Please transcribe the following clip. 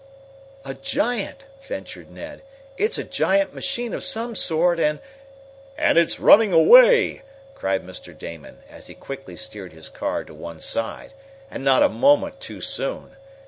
"A giant," ventured Ned. "It's a giant machine of some sort and " "And it's running away!" cried Mr. Damon, as he quickly steered his car to one side and not a moment too soon!